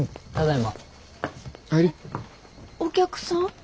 お客さん？